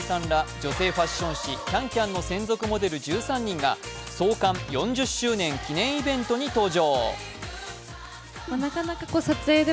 女性ファッション誌「ＣａｎＣａｍ」の専属モデル１３人が創刊４０周年記念イベントに登場。